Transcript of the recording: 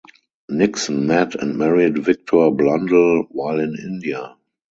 Nixon met and married Victor Blundell while in India.